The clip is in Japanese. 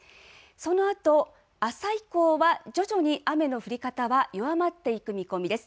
そのあと、朝以降は徐々に雨の降り方は弱まっていく見込みです。